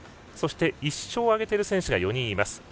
そして、１勝を挙げている選手が４人います。